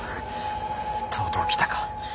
とうとう来たか。